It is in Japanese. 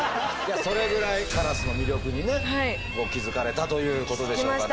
それぐらいカラスの魅力にね気付かれたということでしょうかね。